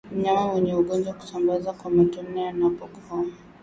Mnyama mwenye ugonjwa husambaza kwa matone anapokohoa